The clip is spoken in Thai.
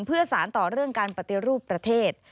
เพื่อสารต่อเรื่องการปฏิรูปประเทศ